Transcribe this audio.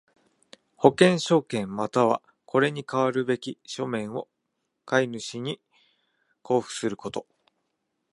保険証券又はこれに代わるべき書面を買主に交付すること。